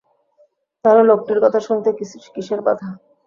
তাহলে লোকটির কথা শুনতে কিসের বাধা?